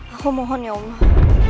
aku mohon ya allah